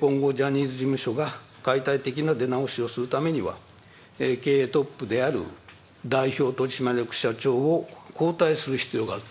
今後、ジャニーズ事務所が解体的な出直しをするためには、経営トップである代表取締役社長を交代する必要があると。